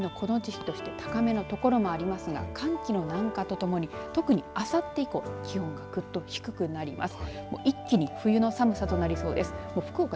さらにこの先の気温を見ていくとあすは平年のこの時期として高めの所もありますが寒気の南下とともに特にあさって以降気温がぐっと低くなります。